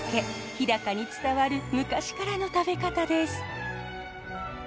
日高に伝わる昔からの食べ方です。